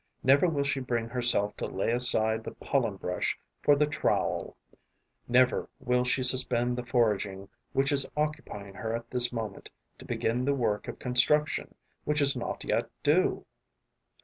Never will she bring herself to lay aside the pollen brush for the trowel; never will she suspend the foraging which is occupying her at this moment to begin the work of construction which is not yet due.